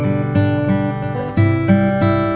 terima kasih ya mas